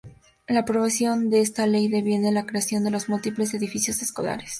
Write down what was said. La aprobación de esta Ley deviene en la creación de múltiples edificios escolares.